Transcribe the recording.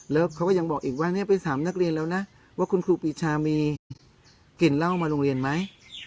แล้วเขาก็ยังบอกอีกว่าไปถามนักเรียนแล้วนะว่าคุณครูปีชามีกลิ่นเหล้ามาโรงเรียนไหม